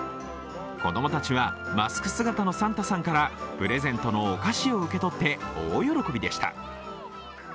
子供たちはマスク姿のサンタさんからプレゼントのお菓子を受け取って大喜びでした。